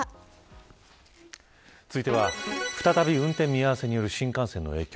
続いては再び運転見合わせによる新幹線の影響。